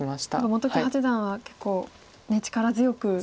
本木八段は結構力強く。